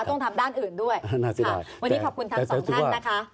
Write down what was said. ต้องทำด้านอื่นด้วยวันนี้ขอบคุณทั้งสองท่านนะคะ